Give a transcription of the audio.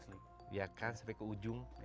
iya kan sampai ke ujung